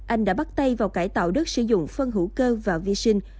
anh đã bắt tay vào cải tạo đất sử dụng phân hữu cơ và vi sinh